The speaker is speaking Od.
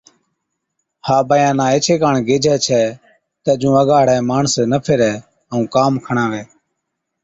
ها بِيانا ايڇي ڪاڻ گيهجَي ڇَي تہ جُون اگا هاڙَي ماڻس نہ ڦِرَي ائُون ڪام کڻاوَي۔